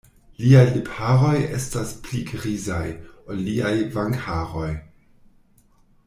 Liaj lipharoj estas pli grizaj, ol liaj vangharoj.